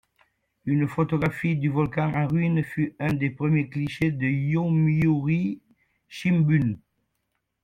Une photographie du volcan en ruine fut un des premiers clichés du Yomiuri Shimbun.